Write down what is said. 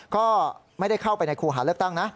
ก็ไม่ได้เข้าไปในครูหาเลือกตั้งนะ